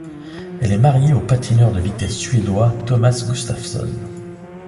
Elle est mariée au patineur de vitesse suédois Tomas Gustafson.